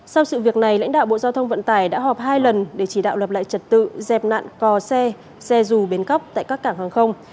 sau sự việc này lãnh đạo bộ giao thông vận tải đã họp hai lần để chỉ đạo lập lại trật tự dẹp nạn cò xe xe dù bến cóc tại các cảng hàng không